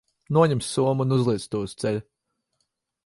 Noņem somu un uzliec to uz ceļa.